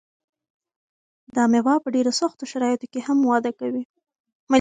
دا مېوه په ډېرو سختو شرایطو کې هم وده کوي.